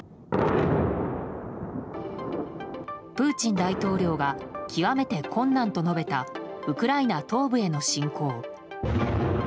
プーチン大統領が極めて困難と述べたウクライナ東部への侵攻。